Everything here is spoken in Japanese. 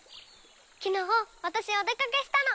きのうわたしお出かけしたの。